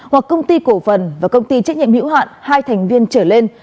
hoặc công ty cổ phần và công ty trách nhiệm hữu hạn hai thành viên trở lên